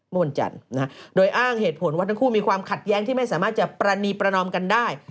วันจันทร์โดยอ้างเหตุผลว่าทั้งคู่มีความขัดแย้งที่ไม่สามารถจะปรณีประนอมกันได้